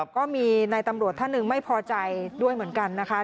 ก็มีนายตำรวจท่านหนึ่งไม่พอใจด้วยเหมือนกันนะคะ